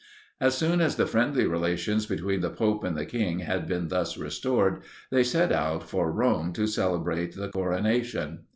As soon as the friendly relations between the pope and the king had been thus far restored, they set out, for Rome, to celebrate the coronation.